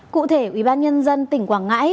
cụ thể ủy ban nhân dân tỉnh quảng ngãi